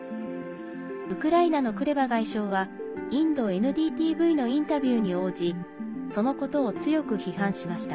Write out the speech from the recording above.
ウクライナのクレバ外相はインドＮＤＴＶのインタビューに応じそのことを強く批判しました。